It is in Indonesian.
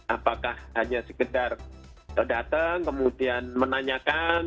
apakah hanya sekedar datang kemudian menanyakan